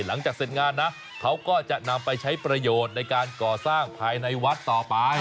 หลังจากเสร็จงานนะเขาก็จะนำไปใช้ประโยชน์ในการก่อสร้างภายในวัดต่อไป